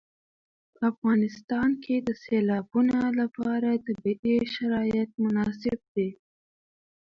په افغانستان کې د سیلابونه لپاره طبیعي شرایط مناسب دي.